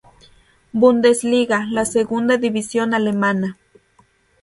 Bundesliga, la segunda división alemana.